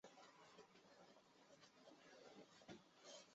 后进入新英格兰音乐院预备学校。